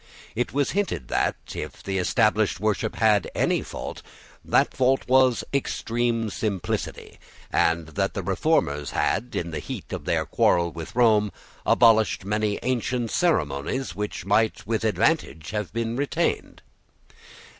It was hinted that, if the established worship had any fault, that fault was extreme simplicity, and that the Reformers had, in the heat of their quarrel with Rome, abolished many ancient ceremonies which might with advantage have been retained.